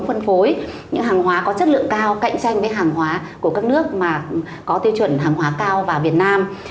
phân phối những hàng hóa có chất lượng cao cạnh tranh với hàng hóa của các nước mà có tiêu chuẩn hàng hóa cao vào việt nam